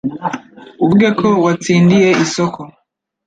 uvuge ko watsindiye isoko